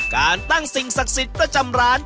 การตั้งสิ่งศักดิ์สิทธิ์ประจำร้าน